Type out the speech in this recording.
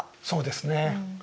そうですね。